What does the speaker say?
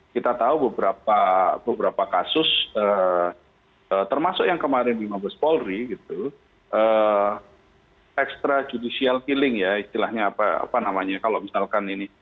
kita tahu beberapa kasus termasuk yang kemarin di mabes polri gitu extrajudicial killing ya istilahnya apa namanya kalau misalkan ini